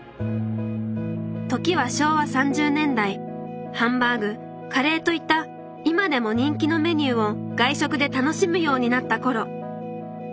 時は昭和３０年代ハンバーグカレーといった今でも人気のメニューを外食で楽しむようになった頃。